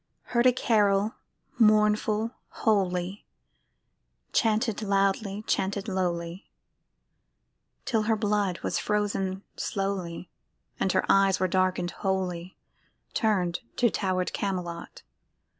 Heard a carol, mournful, holy, Chanted loudly, chanted lowly,[Pg 72] Till her blood was frozen slowly And her eyes were darken'd wholly, Turn'd to tower'd Camelot.